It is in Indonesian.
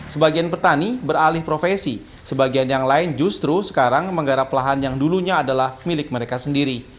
sebagian petani beralih profesi sebagian yang lain justru sekarang menggarap lahan yang dulunya adalah milik mereka sendiri